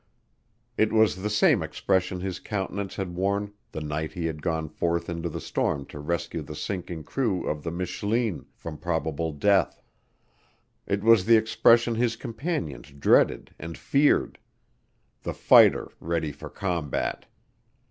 It was the same expression his countenance had worn the night he had gone forth into the storm to rescue the sinking crew of the Michleen from probable death; it was the expression his companions dreaded and feared, the fighter ready for combat.